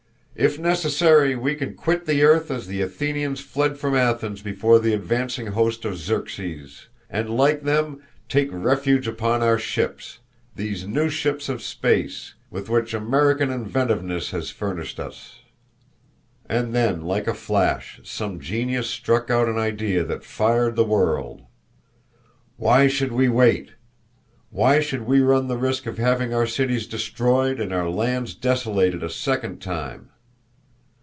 "If necessary, we can quit the earth as the Athenians fled from Athens before the advancing host of Xerxes, and like them, take refuge upon our ships these new ships of space, with which American inventiveness has furnished us." And then, like a flash, some genius struck out an idea that fired the world. "Why should we wait? Why should we run the risk of having our cities destroyed and our lands desolated a second time?